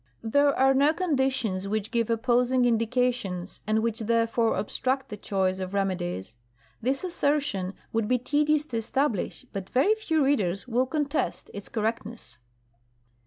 There are no conditious which give opposing indications, and which therefore obstruct the choice of remedies. This assertion would be tedious to establish, but very few readers will con test its correctness.